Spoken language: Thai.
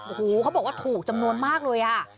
โอ้โหเขาบอกว่าถูกจำนวนมากเลยอ่ะ